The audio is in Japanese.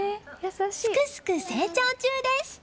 すくすく成長中です。